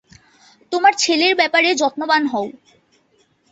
তোমার ছেলের ব্যপারে যত্নবান হও।